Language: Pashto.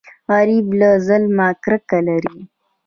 غریب له ظلمه کرکه لري